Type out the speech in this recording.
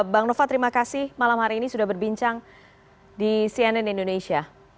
bang nova terima kasih malam hari ini sudah berbincang di cnn indonesia